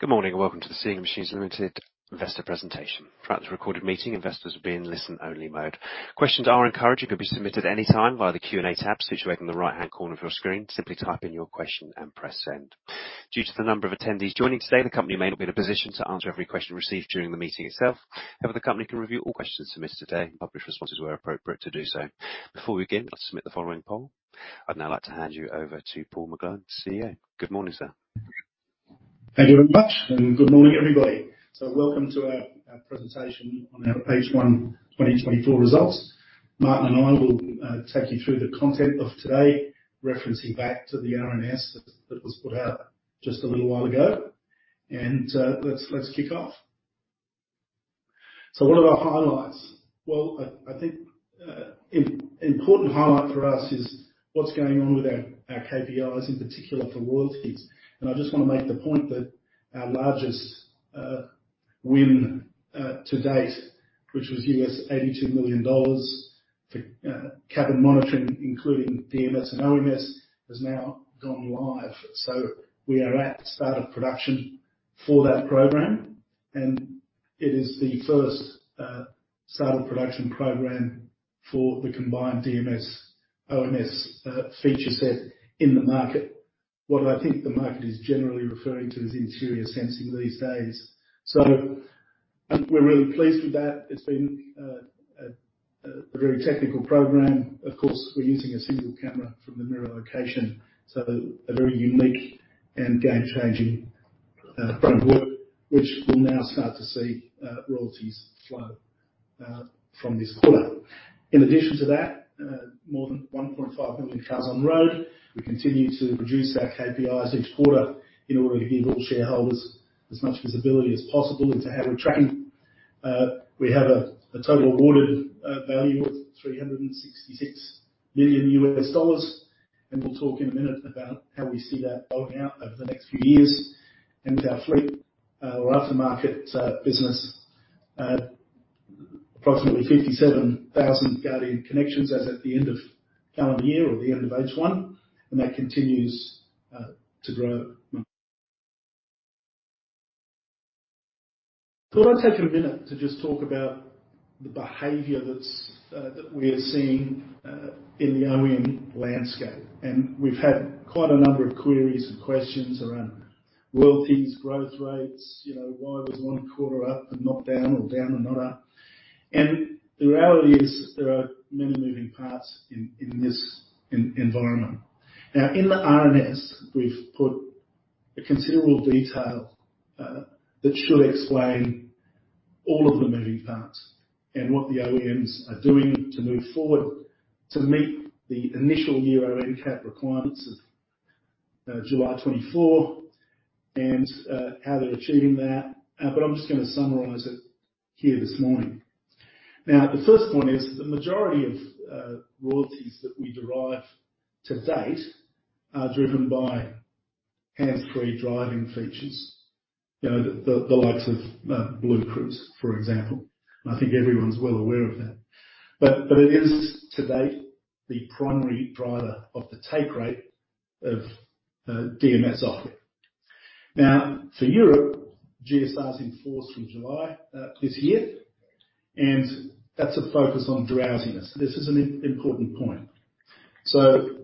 Good morning, and welcome to the Seeing Machines Limited investor presentation. Throughout this recorded meeting, investors will be in listen-only mode. Questions are encouraged and can be submitted anytime via the Q&A tab situated in the right-hand corner of your screen. Simply type in your question and press Send. Due to the number of attendees joining today, the company may not be in a position to answer every question received during the meeting itself. However, the company can review all questions submitted today and publish responses where appropriate to do so. Before we begin, I'll submit the following poll. I'd now like to hand you over to Paul McGlone, CEO. Good morning, sir. Thank you very much, and good morning, everybody. So welcome to our presentation on our H1 2024 results. Martin and I will take you through the content of today, referencing back to the RNS that was put out just a little while ago. And let's kick off. So what are our highlights? Well, I think an important highlight for us is what's going on with our KPIs, in particular for royalties. And I just want to make the point that our largest win to date, which was $82 million for cabin monitoring, including DMS and OMS, has now gone live. So we are at start of production for that program, and it is the first start of production program for the combined DMS, OMS feature set in the market. What I think the market is generally referring to as interior sensing these days. So we're really pleased with that. It's been a very technical program. Of course, we're using a single camera from the mirror location, so a very unique and game-changing framework, which we'll now start to see royalties flow from this quarter. In addition to that, more than 1.5 million cars on the road, we continue to reduce our KPIs each quarter in order to give all shareholders as much visibility as possible into how we're tracking. We have a total awarded value of $366 million, and we'll talk in a minute about how we see that rolling out over the next few years. With our fleet or aftermarket business, approximately 57,000 Guardian connections as at the end of calendar year or the end of H1, and that continues to grow. So I want to take a minute to just talk about the behavior that's that we are seeing in the OEM landscape, and we've had quite a number of queries and questions around royalties, growth rates, you know, why was one quarter up and not down, or down and not up? And the reality is that there are many moving parts in this environment. Now, in the RNS, we've put a considerable detail that should explain all of the moving parts and what the OEMs are doing to move forward to meet the initial Euro NCAP requirements of July 2024 and how they're achieving that. But I'm just gonna summarize it here this morning. Now, the first point is, the majority of royalties that we derive to date are driven by hands-free driving features, you know, the likes of BlueCruise, for example. And I think everyone's well aware of that. But it is, to date, the primary driver of the take rate of DMS software. Now, for Europe, GSR is in force from July this year, and that's a focus on drowsiness. This is an important point. So,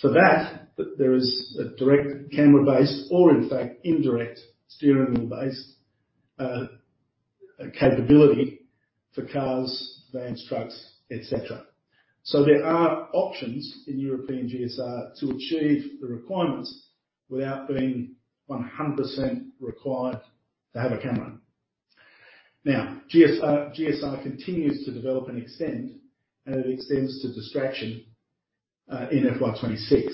for that, there is a direct camera-based, or in fact, indirect steering wheel-based, capability for cars, vans, trucks, et cetera. So there are options in European GSR to achieve the requirements without being 100% required to have a camera. Now, GSR, GSR continues to develop and extend, and it extends to distraction in FY 2026.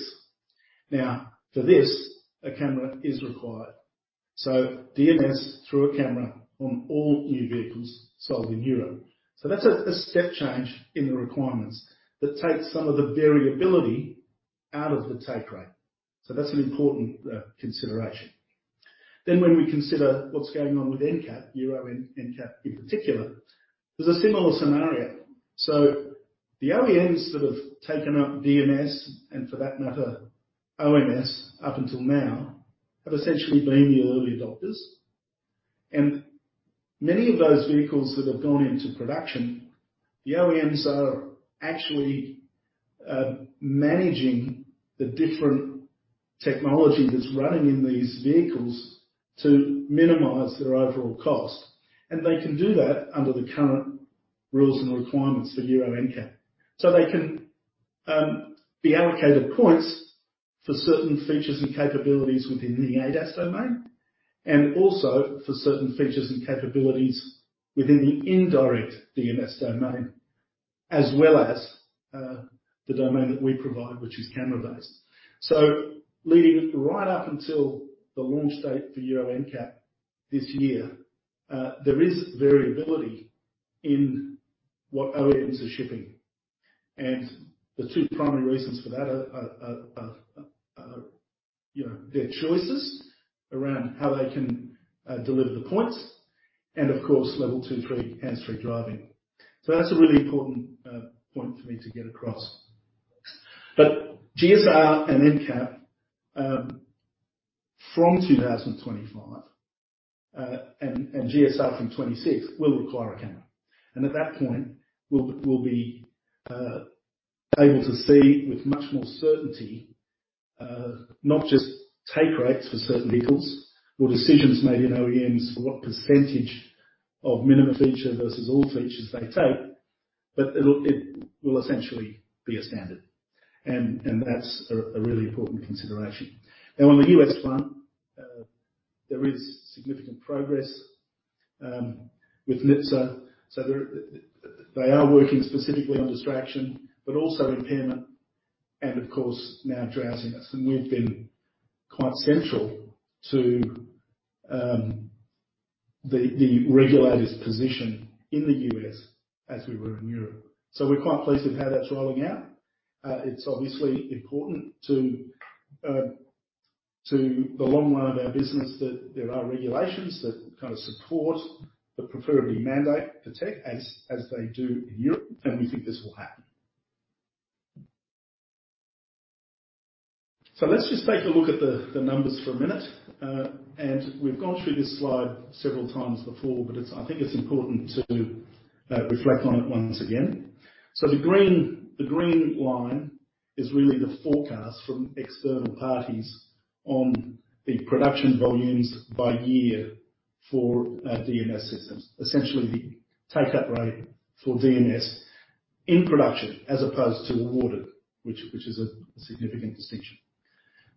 Now, for this, a camera is required. So DMS through a camera on all new vehicles sold in Europe. So that's a step change in the requirements that takes some of the variability out of the take rate. So that's an important consideration. Then, when we consider what's going on with NCAP, Euro NCAP in particular, there's a similar scenario. So the OEMs that have taken up DMS, and for that matter, OMS, up until now, have essentially been the early adopters. And many of those vehicles that have gone into production, the OEMs are actually managing the different technology that's running in these vehicles to minimize their overall cost. And they can do that under the current rules and requirements for Euro NCAP. So they can be allocated points for certain features and capabilities within the ADAS domain, and also for certain features and capabilities within the indirect DMS domain, as well as the domain that we provide, which is camera-based. So leading right up until the launch date for Euro NCAP this year, there is variability in what OEMs are shipping. And the two primary reasons for that are, you know, their choices around how they can deliver the points and, of course, Level 2, 3 hands-free driving. So that's a really important point for me to get across. But GSR and NCAP, from 2025, and GSR from 2026, will require a camera. At that point, we'll be able to see with much more certainty, not just take rates for certain vehicles or decisions made in OEMs, for what percentage of minimum feature versus all features they take, but it will essentially be a standard. And that's a really important consideration. Now, on the U.S. front, there is significant progress with NHTSA. So there, they are working specifically on distraction, but also impairment and of course, now drowsiness. And we've been quite central to the regulator's position in the U.S. as we were in Europe. So we're quite pleased with how that's rolling out. It's obviously important to the long run of our business, that there are regulations that kind of support, but preferably mandate the tech as they do in Europe, and we think this will happen. So let's just take a look at the numbers for a minute. We've gone through this slide several times before, but it's. I think it's important to reflect on it once again. So the green line is really the forecast from external parties on the production volumes by year for DMS systems. Essentially, the take-up rate for DMS in production, as opposed to awarded, which is a significant distinction.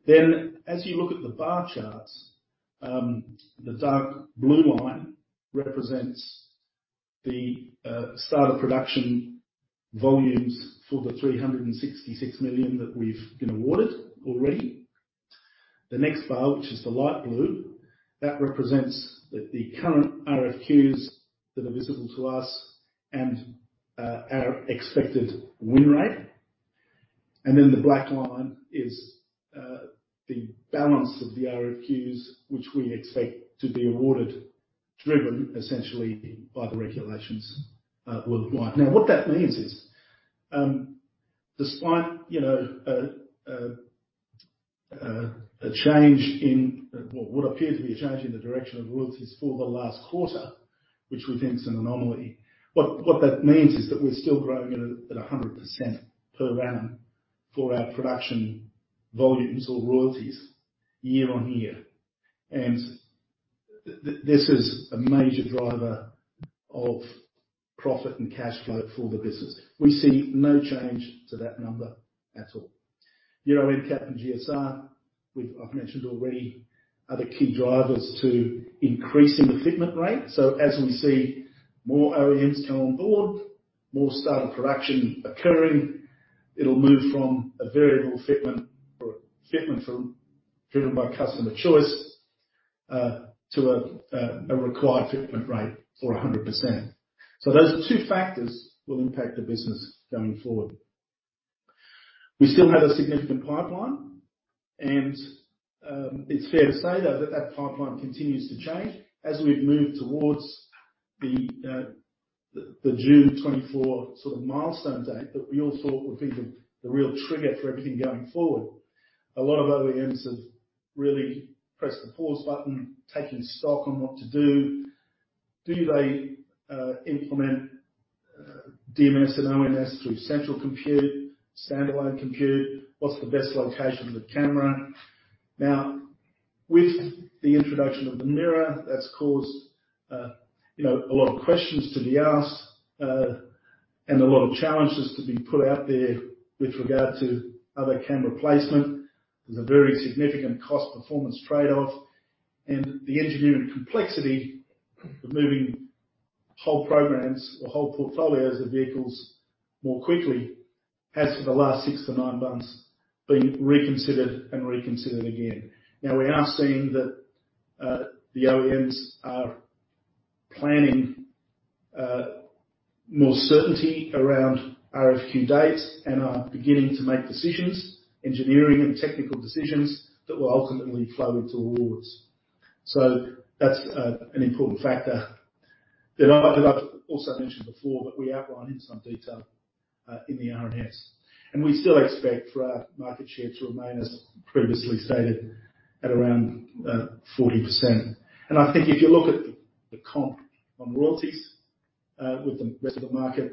Then, as you look at the bar charts, the dark blue line represents the start of production volumes for the 366 million that we've been awarded already. The next bar, which is the light blue, that represents the current RFQs that are visible to us and our expected win rate. And then, the black line is the balance of the RFQs, which we expect to be awarded, driven essentially by the regulations worldwide. Now, what that means is, despite, you know, a change in what appears to be a change in the direction of royalties for the last quarter, which we think is an anomaly, what that means is that we're still growing at 100% per annum for our production volumes or royalties year-on-year. And this is a major driver of profit and cash flow for the business. We see no change to that number at all. Euro NCAP and GSR, I've mentioned already, are the key drivers to increasing the fitment rate. So as we see more OEMs come on board, more start of production occurring, it'll move from a variable fitment or a fitment from, driven by customer choice, to a required fitment rate for 100%. So those are two factors will impact the business going forward. We still have a significant pipeline, and, it's fair to say, though, that that pipeline continues to change. As we've moved towards the June 2024 sort of milestone date, that we all thought would be the real trigger for everything going forward, a lot of OEMs have really pressed the pause button, taking stock on what to do. Do they implement DMS and OMS through central compute, standalone compute? What's the best location for the camera? Now, with the introduction of the mirror, that's caused, you know, a lot of questions to be asked, and a lot of challenges to be put out there with regard to other camera placement. There's a very significant cost-performance trade-off, and the engineering complexity of moving whole programs or whole portfolios of vehicles more quickly has, for the last 6-9 months, been reconsidered and reconsidered again. Now, we are seeing that, the OEMs are planning, more certainty around RFQ dates and are beginning to make decisions, engineering and technical decisions, that will ultimately flow into awards. So that's, an important factor that I've, that I've also mentioned before, but we outlined in some detail, in the RNS. And we still expect for our market share to remain, as previously stated, at around, 40%. I think if you look at the comp on royalties with the rest of the market,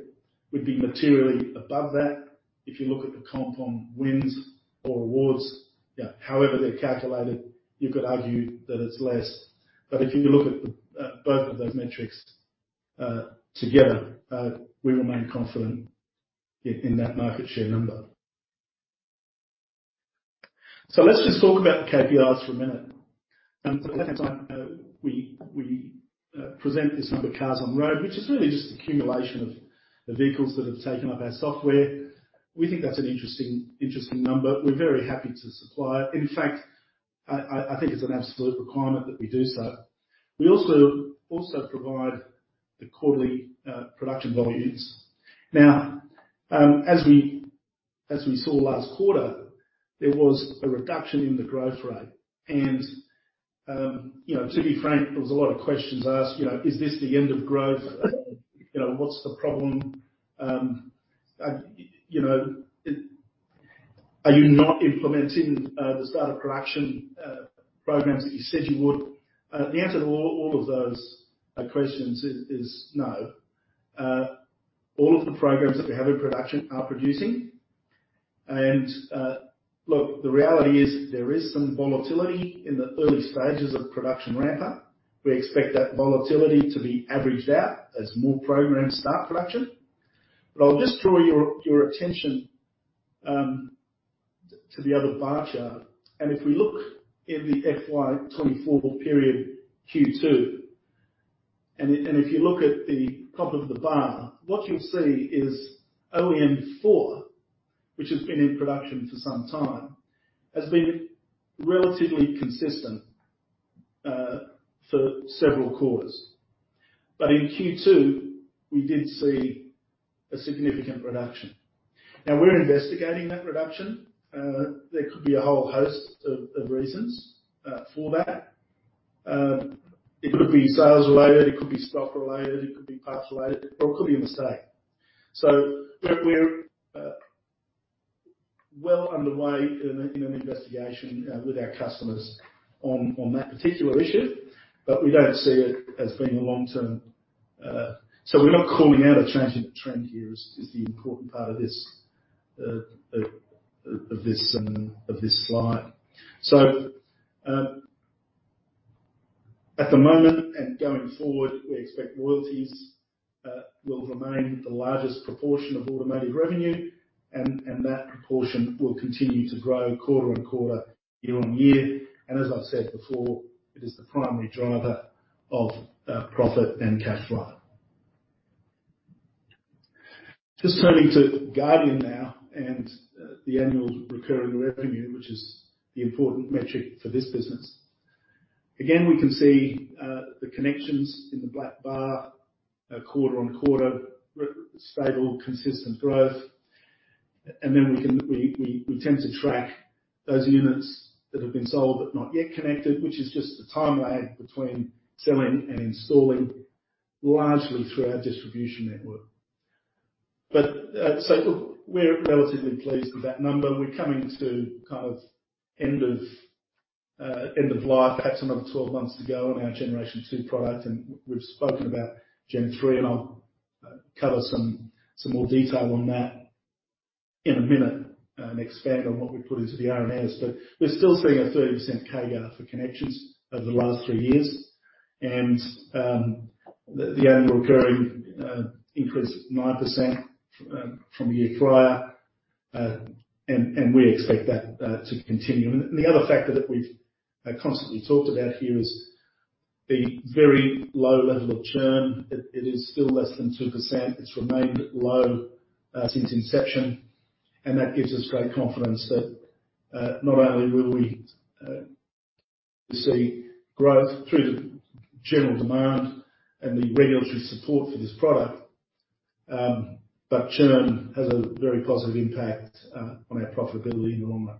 we'd be materially above that. If you look at the comp on wins or awards, yeah, however they're calculated, you could argue that it's less. But if you look at the both of those metrics together, we remain confident in that market share number. So let's just talk about the KPIs for a minute. For the second time, we present this number of cars on the road, which is really just an accumulation of the vehicles that have taken up our software. We think that's an interesting number. We're very happy to supply it. In fact, I think it's an absolute requirement that we do so. We also provide the quarterly production volumes. Now, as we-... As we saw last quarter, there was a reduction in the growth rate. And, you know, to be frank, there was a lot of questions asked, you know: Is this the end of growth? You know, what's the problem? You know, are you not implementing the start of production programs that you said you would? The answer to all of those questions is no. All of the programs that we have in production are producing. And, look, the reality is, there is some volatility in the early stages of production ramp up. We expect that volatility to be averaged out as more programs start production. But I'll just draw your attention to the other bar chart. If we look in the FY 2024 period, Q2, and if you look at the top of the bar, what you'll see is OEM 4, which has been in production for some time, has been relatively consistent for several quarters. But in Q2, we did see a significant reduction. Now, we're investigating that reduction. There could be a whole host of reasons for that. It could be sales related, it could be stock related, it could be parts related, or it could be a mistake. So we're well underway in an investigation with our customers on that particular issue, but we don't see it as being a long term. So we're not calling out a transient trend here, is the important part of this slide. So, at the moment, and going forward, we expect royalties will remain the largest proportion of automotive revenue, and that proportion will continue to grow quarter-on-quarter, year-on-year. And as I've said before, it is the primary driver of profit and cash flow. Just turning to Guardian now, and the annual recurring revenue, which is the important metric for this business. Again, we can see the connections in the black bar quarter-on-quarter stable, consistent growth. And then we tend to track those units that have been sold but not yet connected, which is just a time lag between selling and installing, largely through our distribution network. But, so look, we're relatively pleased with that number. We're coming to kind of end of end of life, perhaps another 12 months to go on our Generation 2 product, and we've spoken about Gen 3, and I'll cover some more detail on that in a minute, and expand on what we put into the RNS. But we're still seeing a 30% CAGR for connections over the last 3 years, and the annual recurring increase, 9% from the year prior, and we expect that to continue. And the other factor that we've constantly talked about here is the very low level of churn. It is still less than 2%. It's remained low since inception, and that gives us great confidence that not only will we see growth through the general demand and the regulatory support for this product, but churn has a very positive impact on our profitability in the long run.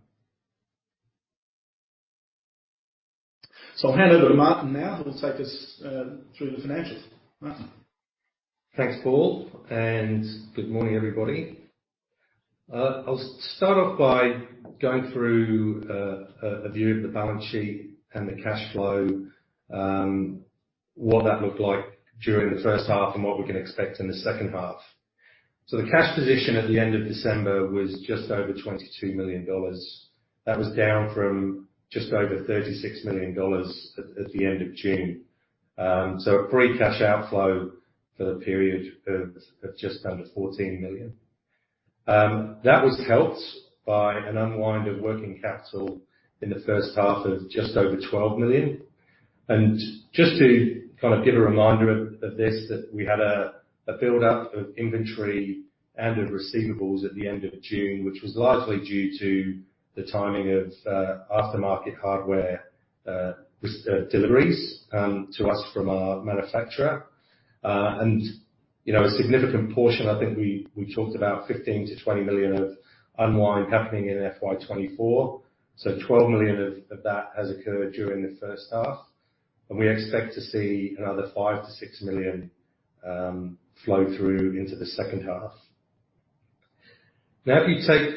So I'll hand over to Martin now, who will take us through the financials. Martin? Thanks, Paul, and good morning, everybody. I'll start off by going through a view of the balance sheet and the cash flow, what that looked like during the first half and what we can expect in the second half. So the cash position at the end of December was just over $22 million. That was down from just over $36 million at the end of June. So a free cash outflow for the period of just under $14 million. That was helped by an unwind of working capital in the first half of just over $12 million. Just to kind of give a reminder of this, that we had a build-up of inventory and of receivables at the end of June, which was largely due to the timing of aftermarket hardware deliveries to us from our manufacturer. You know, a significant portion, I think we talked about $15-20 million of unwind happening in FY 2024. So $12 million of that has occurred during the first half, and we expect to see another $5-6 million flow through into the second half. Now, if you take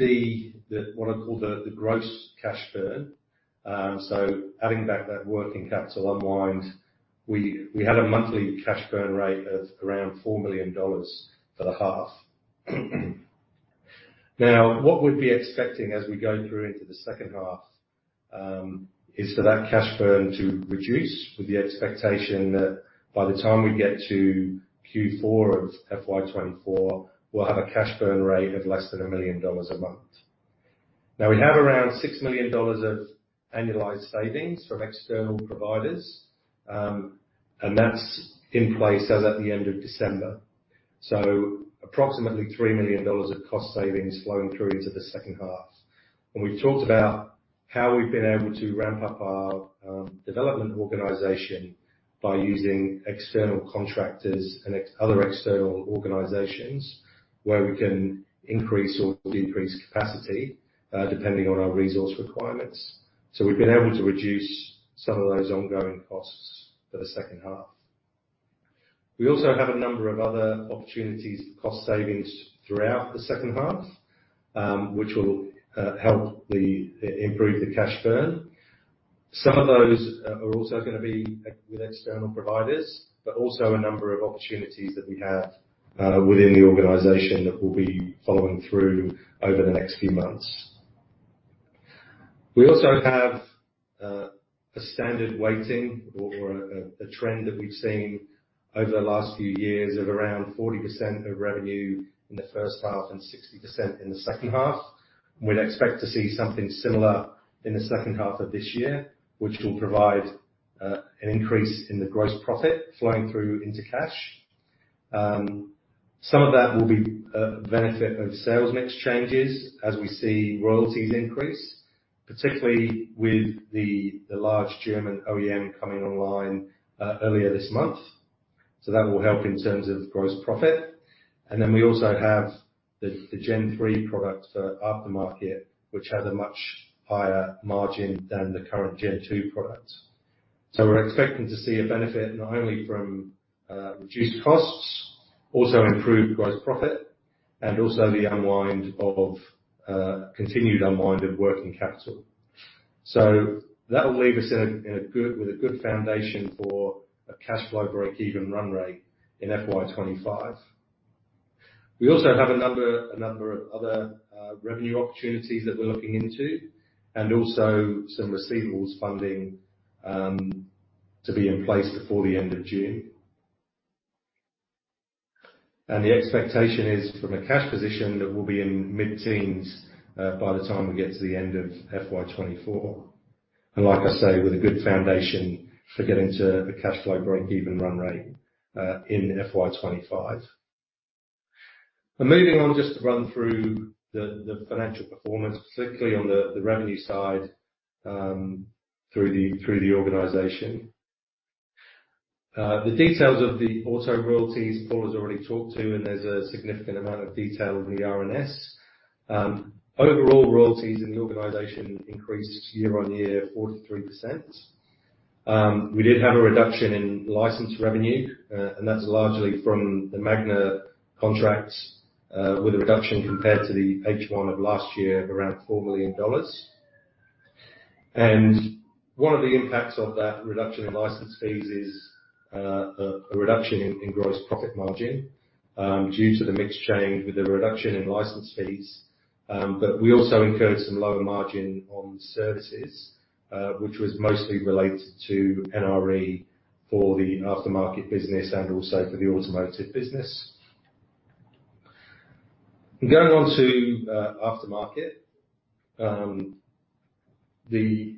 what I call the gross cash burn, so adding back that working capital unwind, we had a monthly cash burn rate of around $4 million for the half. Now, what we'd be expecting as we go through into the second half, is for that cash burn to reduce, with the expectation that by the time we get to Q4 of FY 2024, we'll have a cash burn rate of less than $1 million a month. Now, we have around $6 million of annualized savings from external providers, and that's in place as at the end of December. So approximately $3 million of cost savings flowing through into the second half. And we've talked about how we've been able to ramp up our development organization by using external contractors and other external organizations, where we can increase or decrease capacity, depending on our resource requirements. So we've been able to reduce some of those ongoing costs for the second half. We also have a number of other opportunities for cost savings throughout the second half, which will help improve the cash burn. Some of those are also gonna be with external providers, but also a number of opportunities that we have within the organization, that we'll be following through over the next few months. We also have a standard weighting or a trend that we've seen over the last few years, of around 40% of revenue in the first half and 60% in the second half. We'd expect to see something similar in the second half of this year, which will provide an increase in the gross profit flowing through into cash. Some of that will be benefit of sales mix changes as we see royalties increase, particularly with the large German OEM coming online earlier this month. So that will help in terms of gross profit. And then we also have the Gen 3 product for aftermarket, which has a much higher margin than the current Gen 2 product. So we're expecting to see a benefit not only from reduced costs, also improved gross profit, and also the continued unwind of working capital. So that will leave us with a good foundation for a cash flow breakeven run rate in FY 25. We also have a number of other revenue opportunities that we're looking into, and also some receivables funding to be in place before the end of June. The expectation is, from a cash position, that we'll be in mid-teens by the time we get to the end of FY 2024, and like I say, with a good foundation for getting to a cash flow breakeven run rate in FY 2025. Moving on just to run through the financial performance, specifically on the revenue side, through the organization. The details of the auto royalties, Paul has already talked to, and there's a significant amount of detail in the RNS. Overall royalties in the organization increased year-on-year 43%. We did have a reduction in license revenue, and that's largely from the Magna contracts, with a reduction compared to the H1 of last year of around $4 million. One of the impacts of that reduction in license fees is a reduction in gross profit margin due to the mix change with the reduction in license fees. But we also incurred some lower margin on services, which was mostly related to NRE for the aftermarket business and also for the automotive business. Going on to aftermarket. The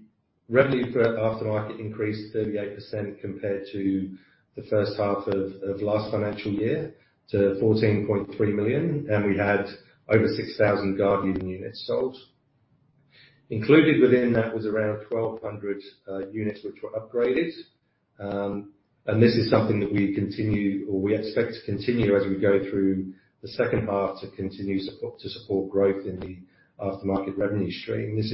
revenue for aftermarket increased 38% compared to the first half of last financial year, to $14.3 million, and we had over 6,000 Guardian units sold. Included within that was around 1,200 units, which were upgraded. And this is something that we continue, or we expect to continue as we go through the second half, to support growth in the aftermarket revenue stream. This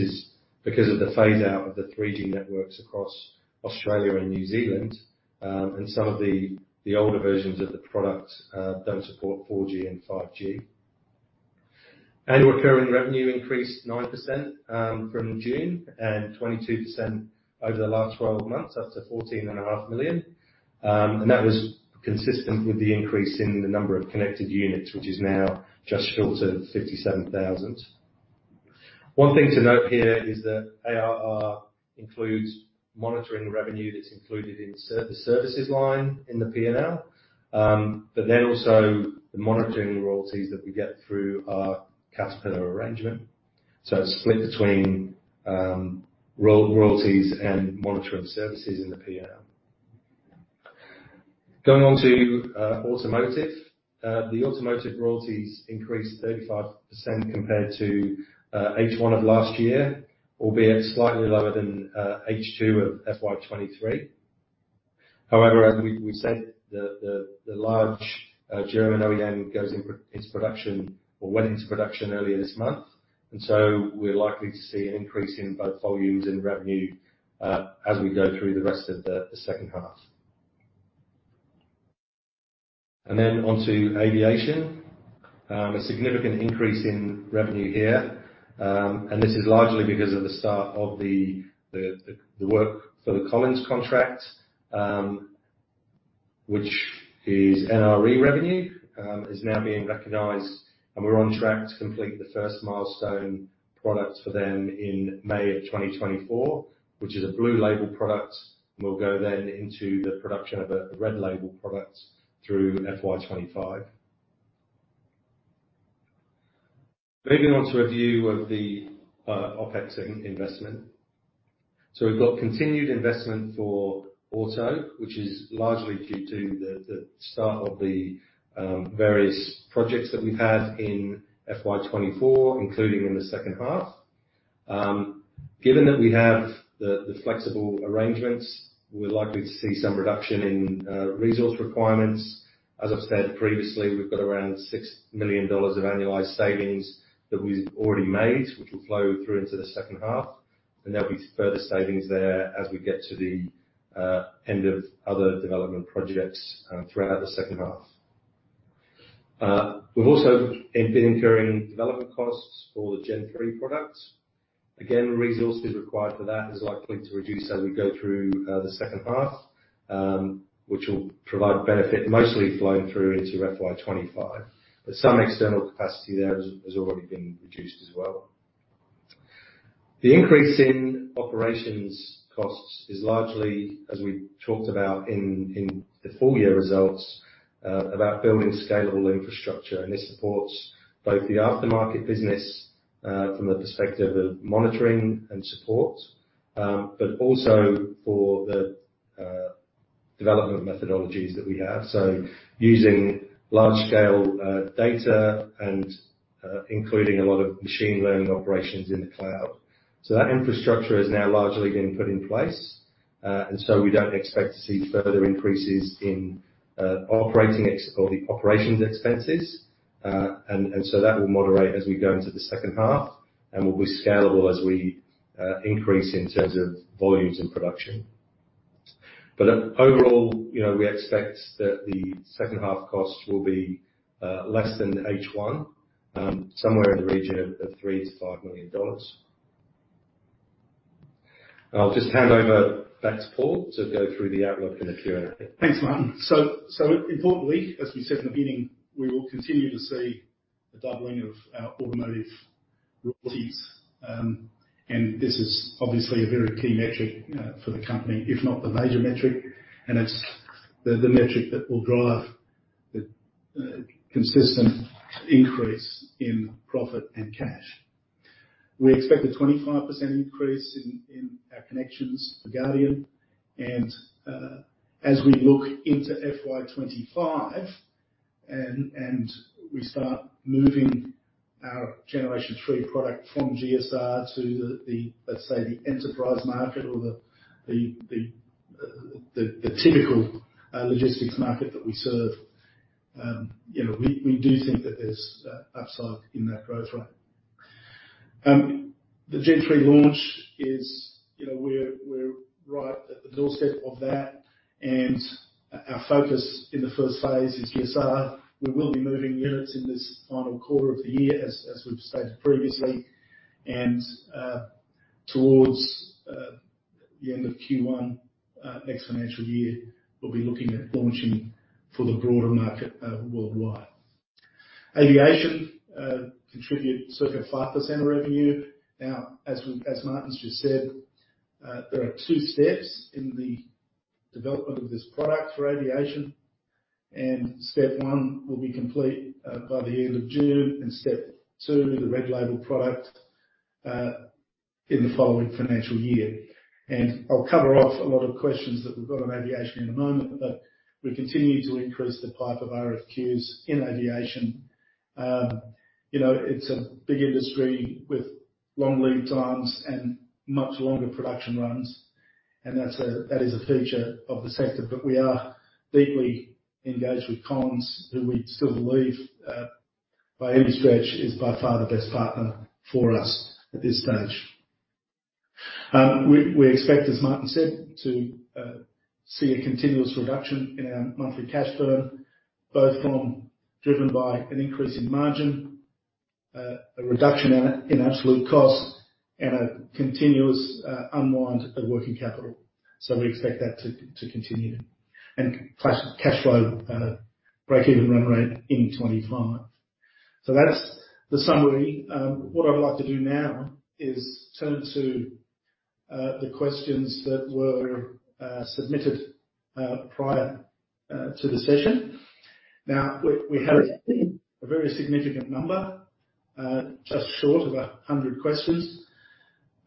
is because of the phase out of the 3G networks across Australia and New Zealand, and some of the older versions of the product don't support 4G and 5G. Annual recurring revenue increased 9%, from June, and 22% over the last twelve months, up to $14.5 million. And that was consistent with the increase in the number of connected units, which is now just short of 57,000. One thing to note here is that ARR includes monitoring revenue that's included in the services line in the P&L. But then also the monitoring royalties that we get through our Caterpillar arrangement. So it's split between royalties and monitoring services in the P&L. Going on to automotive. The automotive royalties increased 35% compared to H1 of last year, albeit slightly lower than H2 of FY 2023. However, as we said, the large German OEM goes into production or went into production earlier this month, and so we're likely to see an increase in both volumes and revenue as we go through the rest of the second half. And then on to aviation. A significant increase in revenue here, and this is largely because of the start of the work for the Collins contract, which is NRE revenue, is now being recognized, and we're on track to complete the first milestone product for them in May of 2024, which is a Blue Label product. We'll go then into the production of a Red Label product through FY 2025. Moving on to a view of the OpEx investment. So we've got continued investment for auto, which is largely due to the start of the various projects that we've had in FY 2024, including in the second half. Given that we have the flexible arrangements, we're likely to see some reduction in resource requirements. As I've said previously, we've got around $6 million of annualized savings that we've already made, which will flow through into the second half, and there'll be further savings there as we get to the end of other development projects throughout the second half. We've also been incurring development costs for the Gen 3 products. Again, the resources required for that is likely to reduce as we go through the second half, which will provide benefit, mostly flowing through into FY 2025. But some external capacity there has already been reduced as well. The increase in operations costs is largely, as we talked about in the full year results, about building scalable infrastructure, and this supports both the aftermarket business, from the perspective of monitoring and support, but also for the development methodologies that we have. So using large scale data and including a lot of machine learning operations in the cloud. So that infrastructure is now largely being put in place, and so we don't expect to see further increases in operating expenses or the operations expenses. And so that will moderate as we go into the second half and will be scalable as we increase in terms of volumes and production. But overall, you know, we expect that the second half costs will be less than H1, somewhere in the region of $3 million-$5 million. I'll just hand over back to Paul to go through the outlook and the Q&A. Thanks, Martin. So, so importantly, as we said in the beginning, we will continue to see a doubling of our automotive royalties. And this is obviously a very key metric for the company, if not the major metric. And it's the metric that will drive the consistent increase in profit and cash. We expect a 25% increase in our connections for Guardian. And as we look into FY 2025 and we start moving our Generation 3 product from GSR to the, let's say, the enterprise market or the typical logistics market that we serve, you know, we do think that there's upside in that growth rate. The Gen 3 launch is, you know, we're right at the doorstep of that, and our focus in the first phase is GSR. We will be moving units in this final quarter of the year as we've stated previously, and towards the end of Q1 next financial year, we'll be looking at launching for the broader market worldwide. Aviation contribute circa 5% of revenue. Now, as Martin just said, there are two steps in the development of this product for aviation, and step one will be complete by the end of June, and step two, the red label product, in the following financial year. And I'll cover off a lot of questions that we've got on aviation in a moment, but we continue to increase the pipe of RFQs in aviation. You know, it's a big industry with long lead times and much longer production runs, and that is a feature of the sector. But we are deeply engaged with Collins, who we still believe, by any stretch, is by far the best partner for us at this stage. We expect, as Martin said, to see a continuous reduction in our monthly cash burn, both from driven by an increase in margin, a reduction in absolute cost, and a continuous unwind of working capital. So we expect that to continue. And cash flow breakeven run rate in 25. So that's the summary. What I'd like to do now is turn to the questions that were submitted prior to the session. Now, we had a very significant number, just short of 100 questions.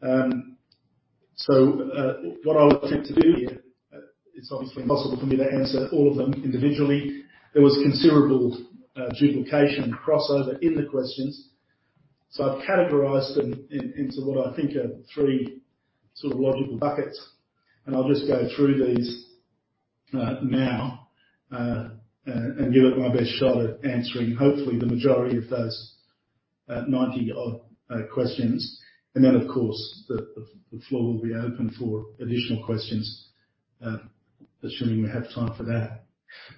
So, what I'll attempt to do here, it's obviously impossible for me to answer all of them individually. There was considerable duplication and crossover in the questions, so I've categorized them into what I think are three sort of logical buckets. I'll just go through these now and give it my best shot at answering, hopefully, the majority of those 90-odd questions. Then, of course, the floor will be open for additional questions, assuming we have time for that.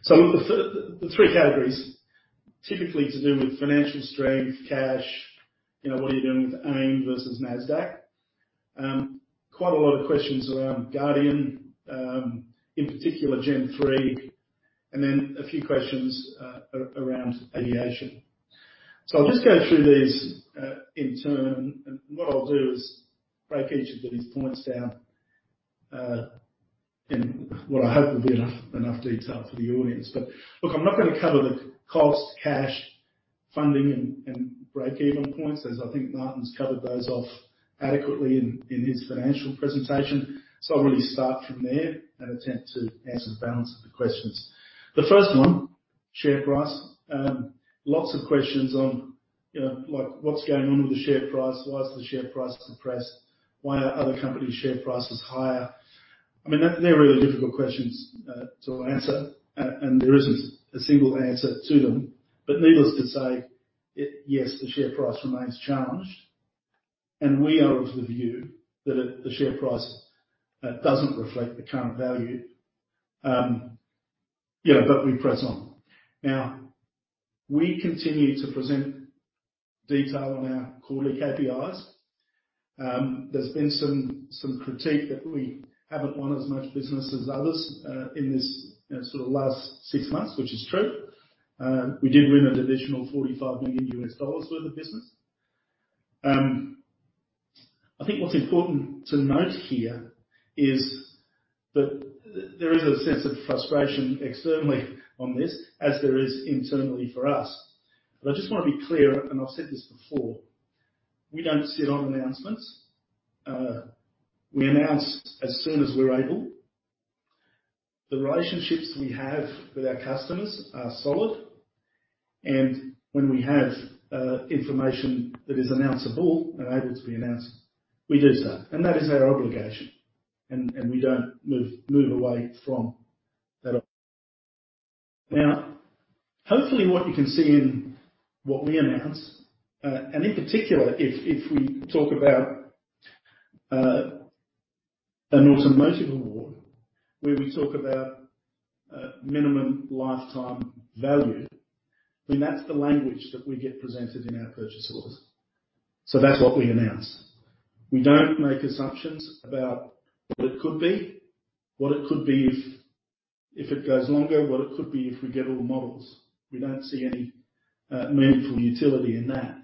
So the three categories, typically to do with financial strength, cash, you know, what are you doing with AIM versus NASDAQ? Quite a lot of questions around Guardian, in particular, Gen 3, and then a few questions around aviation. So I'll just go through these in turn, and what I'll do is break each of these points down and what I hope will be enough detail for the audience. But look, I'm not going to cover the cost, cash, funding, and breakeven points, as I think Martin's covered those off adequately in his financial presentation. So I'll really start from there and attempt to answer the balance of the questions. The first one, share price. Lots of questions on, you know, like: What's going on with the share price? Why is the share price suppressed? Why are other companies' share prices higher? I mean, they're really difficult questions to answer, and there isn't a single answer to them. But needless to say, it, yes, the share price remains challenged, and we are of the view that it, the share price, doesn't reflect the current value. Yeah, but we press on. Now, we continue to present detail on our quarterly KPIs. There's been some critique that we haven't won as much business as others in this, you know, sort of last six months, which is true. We did win an additional $45 million worth of business. I think what's important to note here is that there is a sense of frustration externally on this, as there is internally for us. But I just want to be clear, and I've said this before: we don't sit on announcements. We announce as soon as we're able. The relationships we have with our customers are solid, and when we have information that is announceable and able to be announced, we do so. And that is our obligation, and we don't move away from that. Now, hopefully what you can see in what we announce, and in particular, if, if we talk about, an automotive award, where we talk about, minimum lifetime value, then that's the language that we get presented in our purchase orders. So that's what we announce. We don't make assumptions about what it could be, what it could be if, if it goes longer, what it could be if we get all the models. We don't see any, meaningful utility in that.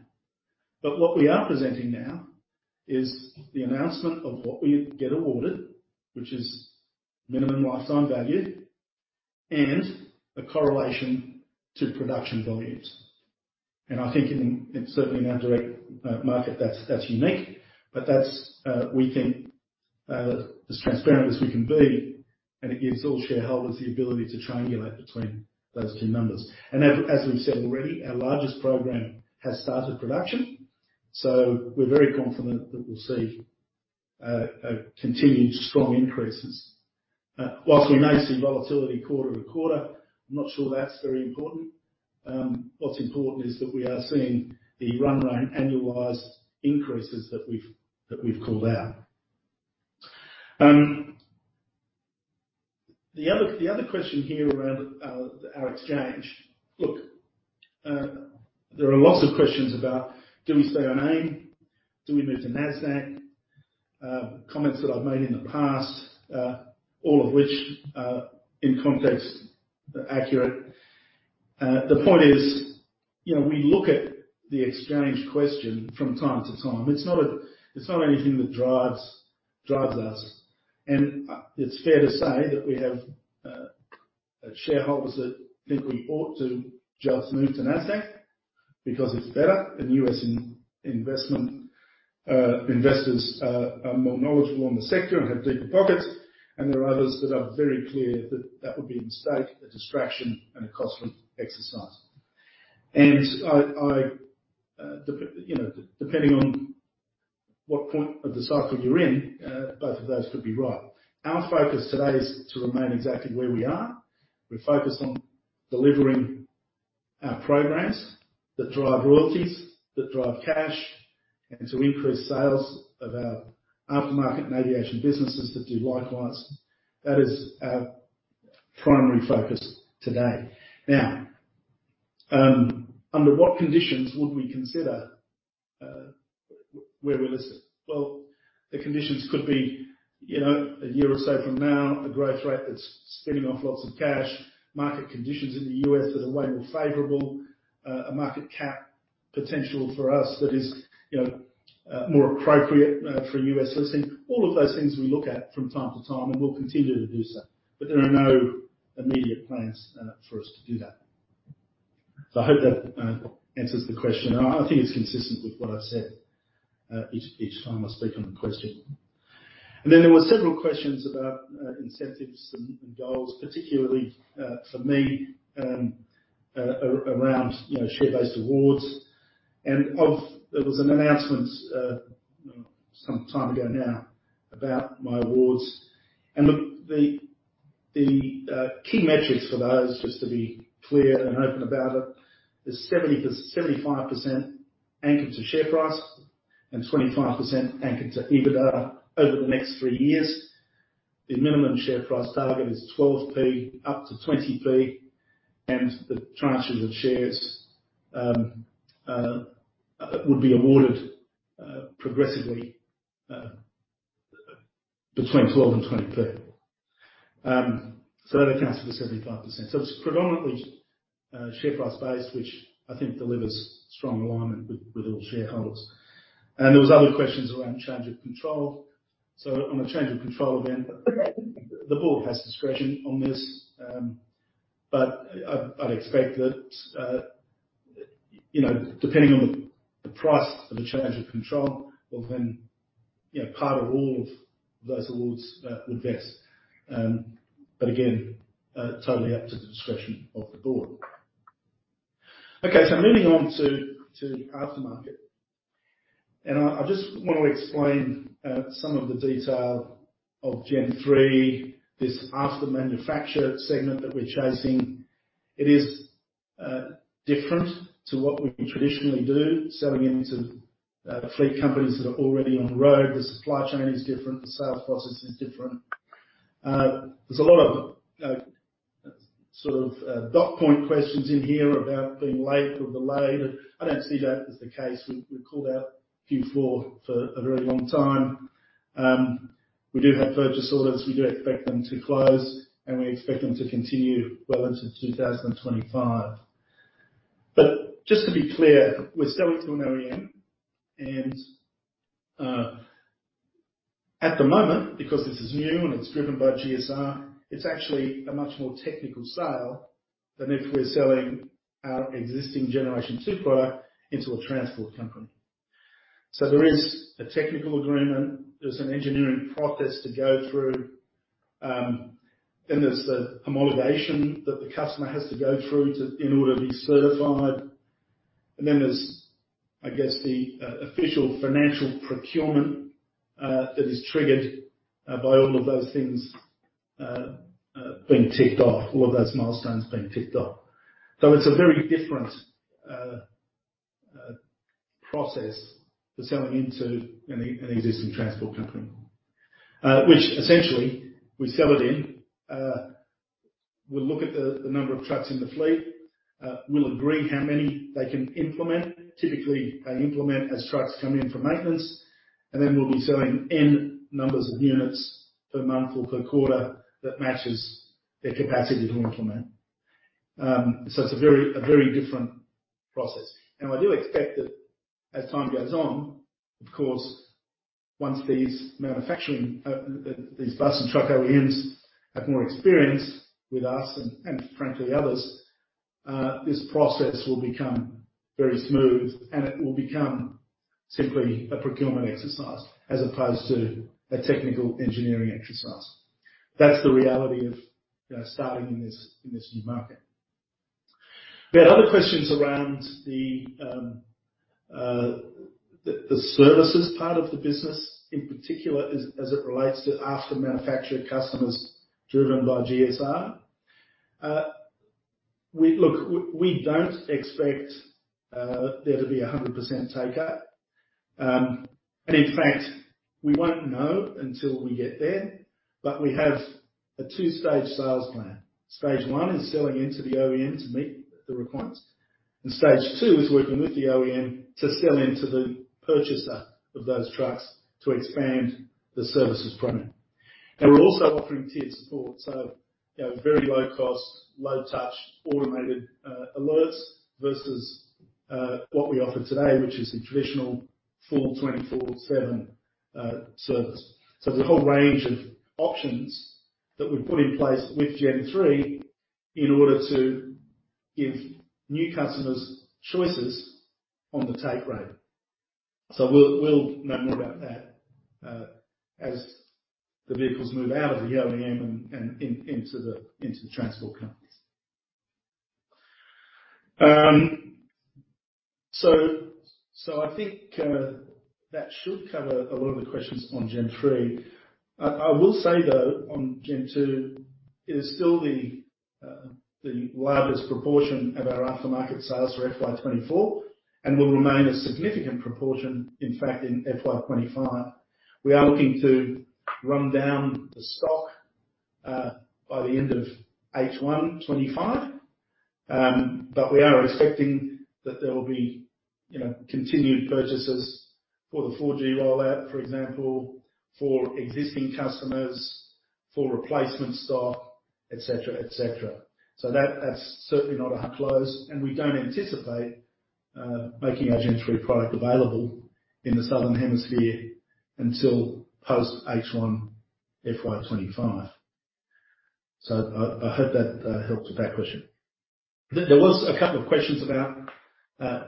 But what we are presenting now is the announcement of what we get awarded, which is minimum lifetime value and a correlation to production volumes. And I think in, in certainly in our direct, market, that's, that's unique, but that's, we think, as transparent as we can be, and it gives all shareholders the ability to triangulate between those two numbers. And as we've said already, our largest program has started production, so we're very confident that we'll see continued strong increases. While we may see volatility quarter to quarter, I'm not sure that's very important. What's important is that we are seeing the run rate annualized increases that we've called out. The other question here around our exchange. Look, there are lots of questions about: Do we stay on AIM? Do we move to NASDAQ? Comments that I've made in the past, all of which are, in context, accurate. The point is, you know, we look at the exchange question from time to time. It's not anything that drives us. It's fair to say that we have shareholders that think we ought to just move to NASDAQ because it's better, and U.S. investment investors are more knowledgeable on the sector and have deeper pockets, and there are others that are very clear that that would be a mistake, a distraction, and a costly exercise. I, you know, depending on what point of the cycle you're in, both of those could be right. Our focus today is to remain exactly where we are. We're focused on delivering our programs that drive royalties, that drive cash, and to increase sales of our aftermarket and aviation businesses that do likewise. That is our primary focus today. Now, under what conditions would we consider where we're listed? Well, the conditions could be, you know, a year or so from now, a growth rate that's spinning off lots of cash, market conditions in the U.S. that are way more favorable, a market cap potential for us that is, you know, more appropriate for a U.S. listing. All of those things we look at from time to time, and we'll continue to do so, but there are no immediate plans for us to do that. So I hope that answers the question, and I think it's consistent with what I've said each time I speak on the question. And then there were several questions about incentives and goals, particularly for me around, you know, share-based awards. And there was an announcement some time ago now about my awards. And look, the key metrics for those, just to be clear and open about it, is 70%-75% anchored to share price and 25% anchored to EBITDA over the next three years. The minimum share price target is 12p-20p, and the tranches of shares would be awarded progressively between 12p and 20p. So that accounts for the 75%. So it's predominantly share price base, which I think delivers strong alignment with all shareholders. And there was other questions around change of control. So on a change of control event, the board has discretion on this, but I'd expect that, you know, depending on the price of a change of control, well, then, you know, part or all of those awards would vest. But again, totally up to the discretion of the board. Okay, so moving on to aftermarket. I just want to explain some of the detail of Gen 3, this aftermarket segment that we're chasing. It is different to what we traditionally do, selling into fleet companies that are already on the road. The supply chain is different, the sales process is different. There's a lot of sort of bullet point questions in here about being late or delayed. I don't see that as the case. We called out Q4 for a very long time. We do have purchase orders. We do expect them to close, and we expect them to continue well into 2025. But just to be clear, we're selling to an OEM, and at the moment, because this is new and it's driven by GSR, it's actually a much more technical sale than if we're selling our existing Generation 2 product into a transport company. So there is a technical agreement, there's an engineering process to go through, then there's the homologation that the customer has to go through to, in order to be certified. And then there's, I guess, the official financial procurement that is triggered by all of those things being ticked off, all of those milestones being ticked off. So it's a very different process for selling into an existing transport company. Which essentially, we sell it in, we'll look at the number of trucks in the fleet. We'll agree how many they can implement. Typically, they implement as trucks come in for maintenance, and then we'll be selling N numbers of units per month or per quarter that matches their capacity to implement. So it's a very different process. I do expect that as time goes on, of course, once these manufacturing, these bus and truck OEMs have more experience with us, and frankly, others, this process will become very smooth, and it will become simply a procurement exercise as opposed to a technical engineering exercise. That's the reality of starting in this new market. We had other questions around the services part of the business, in particular, as it relates to aftermarket customers driven by GSR. Look, we don't expect there to be 100% take up. And in fact, we won't know until we get there, but we have a two-stage sales plan. Stage one is selling into the OEM to meet the requirements, and stage two is working with the OEM to sell into the purchaser of those trucks to expand the services product. And we're also offering tier support, so, you know, very low cost, low touch, automated alerts versus what we offer today, which is the traditional full 24/7 service. So there's a whole range of options that we've put in place with Gen 3 in order to give new customers choices on the take rate. So we'll know more about that as the vehicles move out of the OEM and into the transport companies. So I think that should cover a lot of the questions on Gen 3. I will say, though, on Gen 2, it is still the largest proportion of our aftermarket sales for FY 2024 and will remain a significant proportion, in fact, in FY 2025. We are looking to run down the stock by the end of H1 2025. But we are expecting that there will be, you know, continued purchases for the 4G rollout, for example, for existing customers, for replacement stock, et cetera, et cetera. So that's certainly not a close, and we don't anticipate making our Gen 3 product available in the Southern Hemisphere until post H1 FY 2025. So I hope that helps with that question. There, there was a couple of questions about,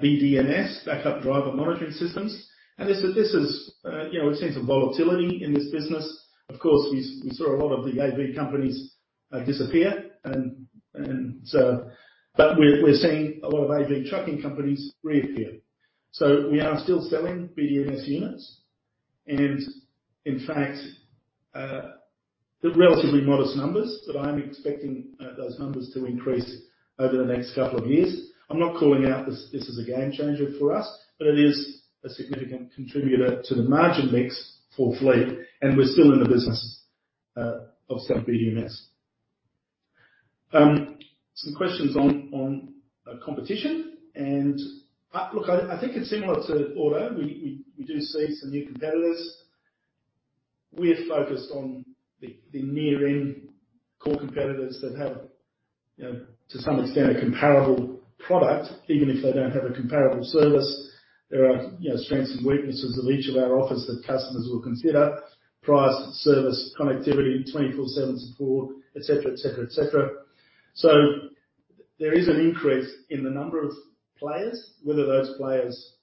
BDMS, Backup Driver Monitoring Systems, and this is, this is, you know, a sense of volatility in this business. Of course, we, we saw a lot of the AV companies, disappear, and, and so... But we're, we're seeing a lot of AV trucking companies reappear. So we are still selling BDMS units, and in fact, they're relatively modest numbers, but I'm expecting, those numbers to increase over the next couple of years. I'm not calling out this, this is a game changer for us, but it is a significant contributor to the margin mix for fleet, and we're still in the business, of selling BDMS. Some questions on, on, competition. And, look, I, I think it's similar to auto. We, we, we do see some new competitors.... We're focused on the near-in core competitors that have, you know, to some extent, a comparable product, even if they don't have a comparable service. There are, you know, strengths and weaknesses of each of our offers that customers will consider: price, service, connectivity, 24/7 support, et cetera, et cetera, et cetera. So there is an increase in the number of players. Whether those players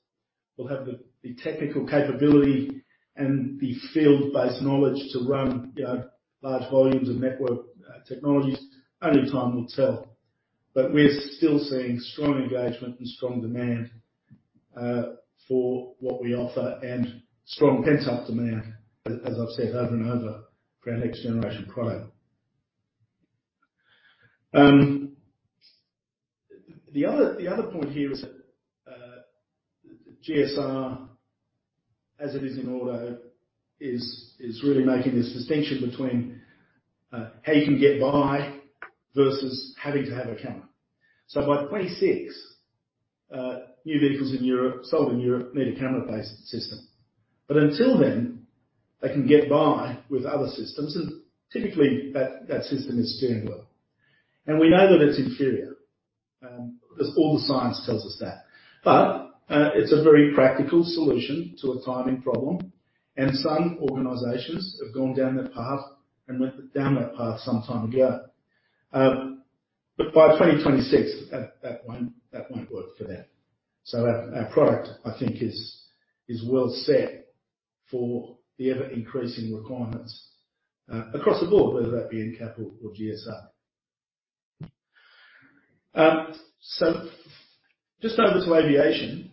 will have the technical capability and the field-based knowledge to run, you know, large volumes of network technologies, only time will tell. But we're still seeing strong engagement and strong demand for what we offer, and strong pent-up demand, as I've said over and over, for our next generation product. The other point here is that, GSR, as it is in auto, is really making this distinction between how you can get by versus having to have a camera. So by 2026, new vehicles in Europe, sold in Europe, need a camera-based system. But until then, they can get by with other systems, and typically, that system is steering wheel. And we know that it's inferior because all the science tells us that. But it's a very practical solution to a timing problem, and some organizations have gone down that path and went down that path some time ago. But by 2026, that won't work for them. So our product, I think, is well set for the ever-increasing requirements across the board, whether that be in NCAP or GSR. So just over to aviation.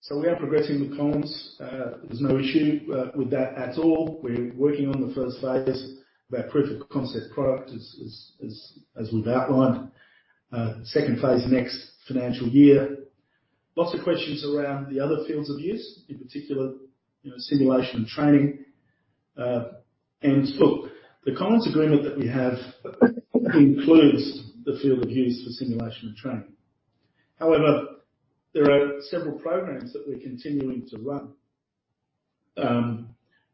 So we are progressing with Collins. There's no issue with that at all. We're working on the first phase of our proof of concept product, as we've outlined. Second phase, next financial year. Lots of questions around the other fields of use, in particular, you know, simulation and training. And look, the Collins agreement that we have includes the field of use for simulation and training. However, there are several programs that we're continuing to run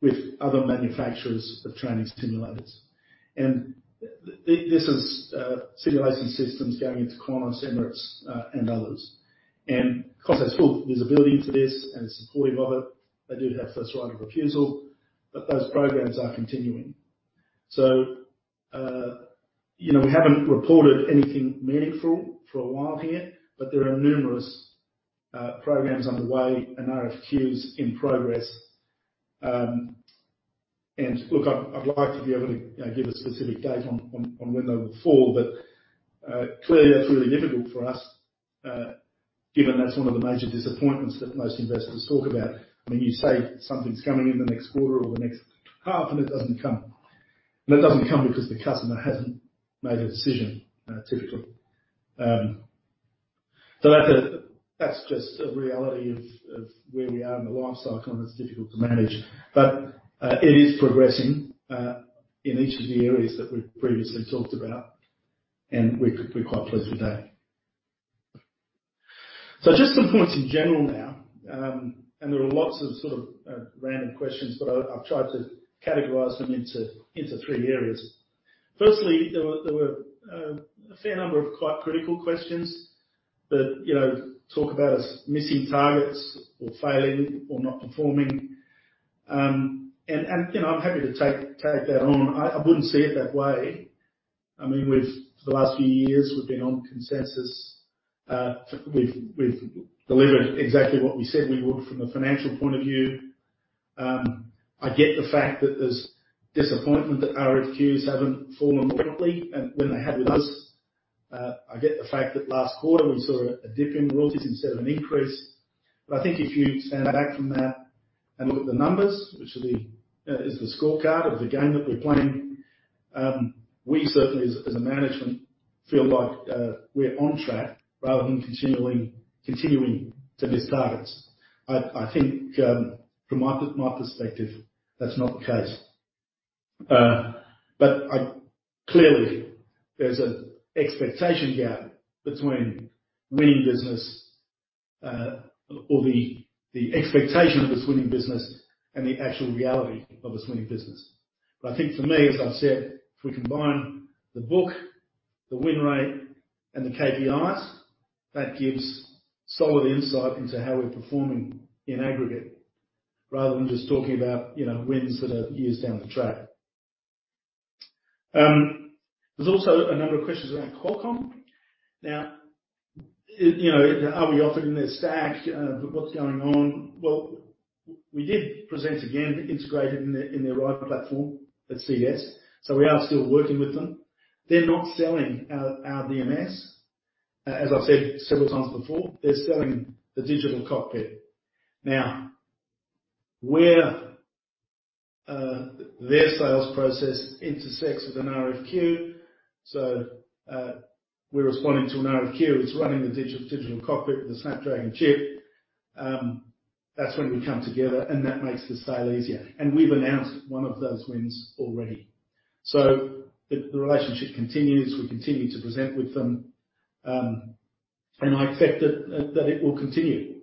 with other manufacturers of training simulators. And this is simulation systems going into Qantas, Emirates, and others. And Qantas has full visibility into this and is supportive of it. They do have first right of refusal, but those programs are continuing. So, you know, we haven't reported anything meaningful for a while here, but there are numerous programs underway and RFQs in progress. And look, I'd like to be able to, you know, give a specific date on when they will fall, but clearly, that's really difficult for us, given that's one of the major disappointments that most investors talk about. When you say something's coming in the next quarter or the next half, and it doesn't come, and it doesn't come because the customer hasn't made a decision, typically. So that's just a reality of where we are in the lifecycle, and it's difficult to manage. But it is progressing in each of the areas that we've previously talked about, and we're quite pleased with that. So just some points in general now, and there are lots of sort of random questions, but I've tried to categorize them into three areas. Firstly, there were a fair number of quite critical questions that, you know, talk about us missing targets or failing or not performing. And, you know, I'm happy to take that on. I wouldn't see it that way. I mean, we've, for the last few years, we've been on consensus. We've delivered exactly what we said we would from a financial point of view. I get the fact that there's disappointment that RFQs haven't fallen rapidly, and when they have with us. I get the fact that last quarter, we saw a dip in royalties instead of an increase. But I think if you stand back from that and look at the numbers, which is the scorecard of the game that we're playing, we certainly as a management feel like we're on track rather than continuing to miss targets. I think from my perspective, that's not the case. But clearly, there's an expectation gap between winning business or the expectation of us winning business and the actual reality of us winning business. But I think for me, as I've said, if we combine the book, the win rate, and the KPIs, that gives solid insight into how we're performing in aggregate, rather than just talking about, you know, wins that are years down the track. There's also a number of questions around Qualcomm. Now, you know, are we offered in their stack? What's going on? Well, we did present again, integrated in their Ride platform at CES, so we are still working with them. They're not selling our DMS. As I've said several times before, they're selling the digital cockpit. Now, where their sales process intersects with an RFQ, we're responding to an RFQ. It's running the digital cockpit with a Snapdragon chip. That's when we come together, and that makes the sale easier. We've announced one of those wins already. The relationship continues. We continue to present with them. I expect that it will continue,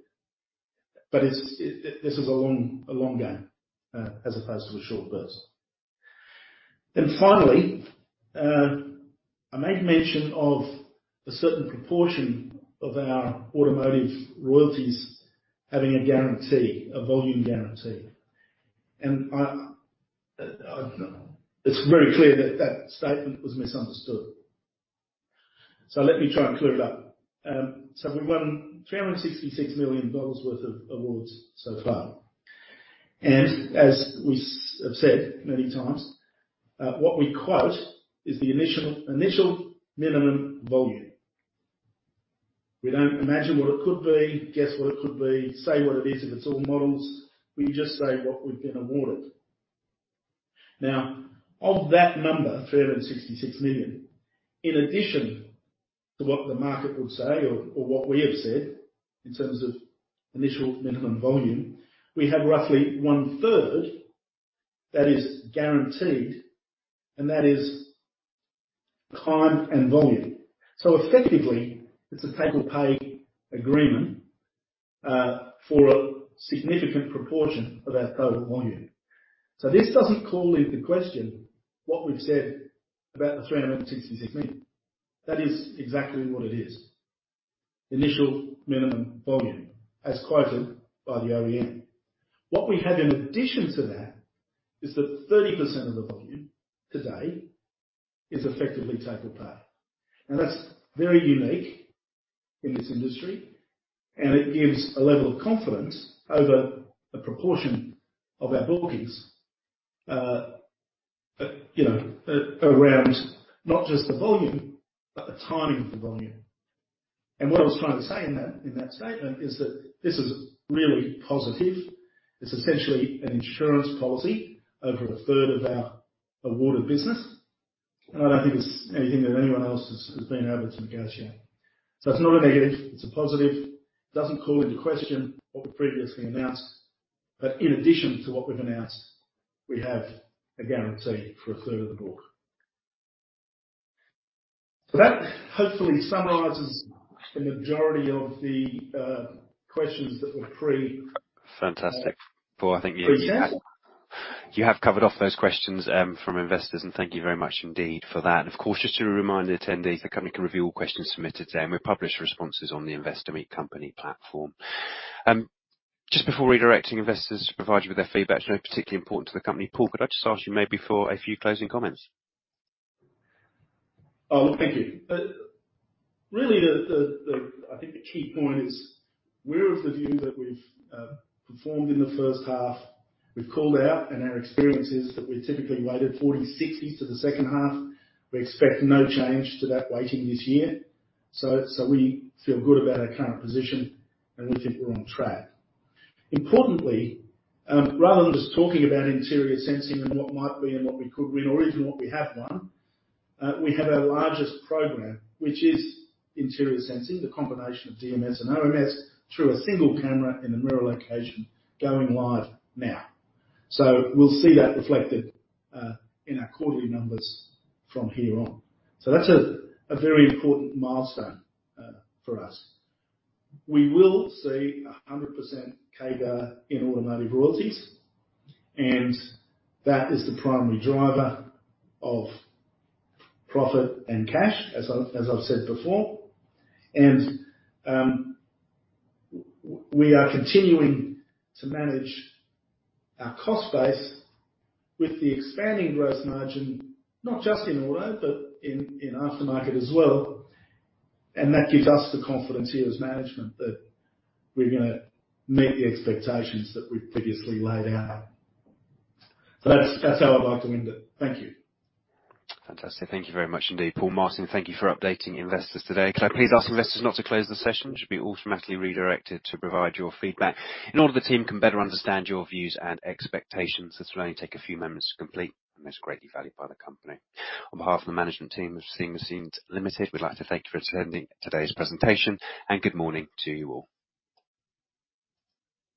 but it's a long game as opposed to a short burst. Then finally, I made mention of a certain proportion of our automotive royalties having a guarantee, a volume guarantee. I, I've, it's very clear that that statement was misunderstood. So let me try and clear it up. So we won $366 million worth of awards so far. And as we have said many times, what we quote is the initial, initial minimum volume. We don't imagine what it could be, guess what it could be, say what it is if it's all models, we just say what we've been awarded. Now, of that number, $366 million, in addition to what the market would say or, or what we have said, in terms of initial minimum volume, we have roughly one third that is guaranteed, and that is time and volume. So effectively, it's a take-or-pay agreement for a significant proportion of our total volume. So this doesn't call into question what we've said about the $366 million. That is exactly what it is. Initial minimum volume, as quoted by the OEM. What we have in addition to that, is that 30% of the volume today is effectively take or pay. Now, that's very unique in this industry, and it gives a level of confidence over a proportion of our bookings, you know, around not just the volume, but the timing of the volume. And what I was trying to say in that statement, is that this is really positive. It's essentially an insurance policy over a third of our awarded business, and I don't think it's anything that anyone else has been able to negotiate. So it's not a negative, it's a positive. It doesn't call into question what we previously announced, but in addition to what we've announced, we have a guarantee for a third of the book. So that hopefully summarizes the majority of the, questions that were pre- Fantastic. Paul, I think you- - presented. You have covered off those questions, from investors, and thank you very much indeed for that. And of course, just to remind the attendees, the company can review all questions submitted today, and we publish responses on the Investor Meet Company platform. Just before redirecting investors to provide you with their feedback, which is particularly important to the company, Paul, could I just ask you maybe for a few closing comments? Oh, thank you. Really, I think the key point is, we're of the view that we've performed in the first half. We've called out, and our experience is that we're typically weighted 40, 60 to the second half. We expect no change to that weighting this year, so we feel good about our current position, and we think we're on track. Importantly, rather than just talking about Interior Sensing and what might be and what we could win, or even what we have won, we have our largest program, which is Interior Sensing, the combination of DMS and OMS, through a single camera in a mirror location going live now. So we'll see that reflected in our quarterly numbers from here on. So that's a very important milestone for us. We will see 100% CAGR in automotive royalties, and that is the primary driver of profit and cash, as I've said before. And we are continuing to manage our cost base with the expanding gross margin, not just in auto, but in aftermarket as well. And that gives us the confidence here as management, that we're gonna meet the expectations that we've previously laid out. So that's how I'd like to end it. Thank you. Fantastic. Thank you very much indeed, Paul, Martin. Thank you for updating investors today. Could I please ask investors not to close the session? You should be automatically redirected to provide your feedback in order that the team can better understand your views and expectations. This will only take a few moments to complete, and is greatly valued by the company. On behalf of the management team of Seeing Machines Limited, we'd like to thank you for attending today's presentation, and good morning to you all.